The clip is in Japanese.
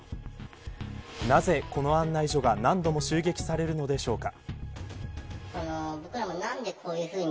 なぜ、この案内所が何度も襲撃されるのでしょうか。